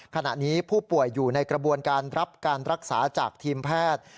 ขณะนี้ผู้ป่วยอยู่ในกระบวนการรับการรักษาจากทีมแพทย์